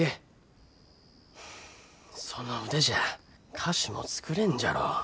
その腕じゃあ菓子も作れんじゃろう。